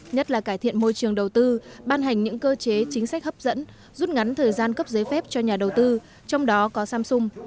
nhất là cải thiện môi trường đầu tư ban hành những cơ chế chính sách hấp dẫn rút ngắn thời gian cấp giấy phép cho nhà đầu tư trong đó có samsung